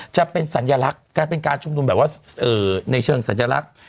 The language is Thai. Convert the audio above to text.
จะเป็นการชุมนุมในเชิงสัญลักษณ์